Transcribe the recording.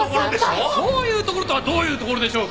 そういうところとはどういうところでしょうか？